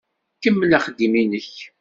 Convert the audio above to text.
Kemmel axeddim-nnek.